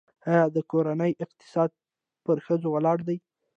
آیا د کورنۍ اقتصاد پر ښځو ولاړ دی؟